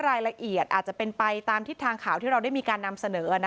รายละเอียดอาจจะเป็นไปตามทิศทางข่าวที่เราได้มีการนำเสนอ